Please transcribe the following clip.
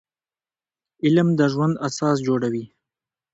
علم د ژوند اساس جوړوي